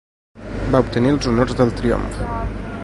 Va obtenir els honors del triomf.